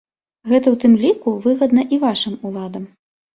Гэта, у тым ліку, выгадна і вашым уладам.